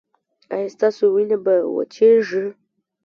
ایا ستاسو وینه به وچیږي؟